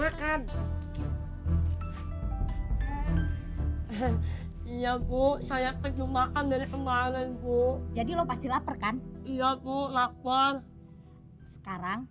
makan ya gue saya ke rumah kan dari kemarin bu jadi lo pasti lapar kan iya gue lapar sekarang